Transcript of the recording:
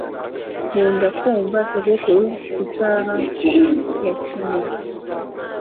Nkunda kumva sogokuru isaha ya chime